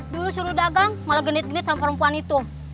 dulu suruh dagang malah genit gendit sama perempuan itu